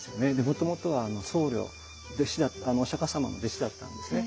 もともとは僧侶お釈様の弟子だったんですね。